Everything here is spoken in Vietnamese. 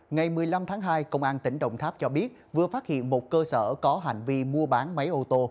ngày một mươi năm tháng hai công an tỉnh đồng tháp cho biết vừa phát hiện một cơ sở có hành vi mua bán máy ô tô